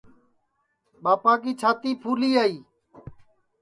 ٻاپا کی چھاتی پُھلیائی